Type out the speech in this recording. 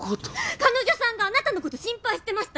彼女さんがあなたのこと心配してました！